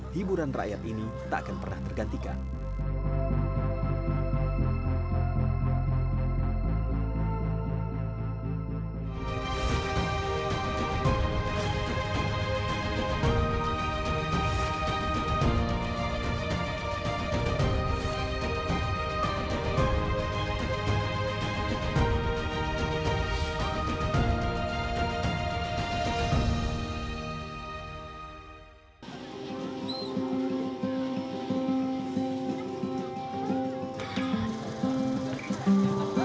hiburan rakyat ini tak akan pernah tergantikan